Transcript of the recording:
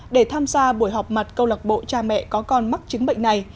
để tham gia buổi họp mặt câu lạc bộ cha mẹ có con mắc chứng bệnh này